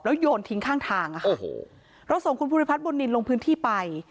โยนทิ้งข้างทางอ่ะค่ะโอ้โหเราส่งคุณภูริพัฒนบุญนินลงพื้นที่ไป